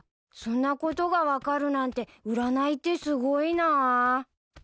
そんなことが分かるなんて占いってすごいなぁ。